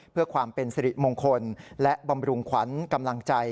เพื่อความเป็นสิริมงคลและบำรุงขวัญกำลังใจ